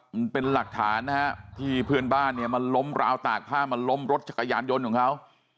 มันเป็นหลักฐานนะฮะที่เพื่อนบ้านเนี่ยมันล้มราวตากผ้ามันล้มรถจักรยานยนต์ของเขา